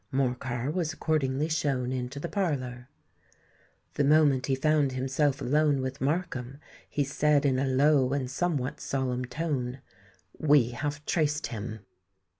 Morcar was accordingly shown into the parlour. The moment he found himself alone with Markham, he said in a low and somewhat solemn tone, "We have traced him!"